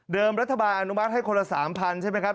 รัฐบาลอนุมัติให้คนละ๓๐๐ใช่ไหมครับ